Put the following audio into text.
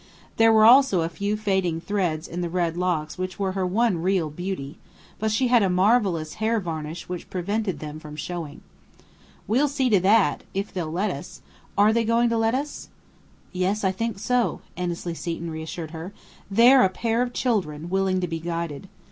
There were also a few fading threads in the red locks which were her one real beauty; but she had a marvellous hair varnish which prevented them from showing. "We'll see to that! If they'll let us. Are they going to let us?" "Yes, I think so," Annesley Seton reassured her. "They're a pair of children, willing to be guided.